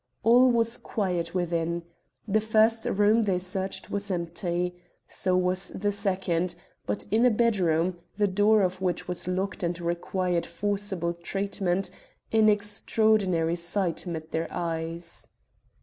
All was quiet within. The first room they searched was empty. So was the second; but in a bedroom, the door of which was locked and required forcible treatment, an extraordinary sight met their eyes.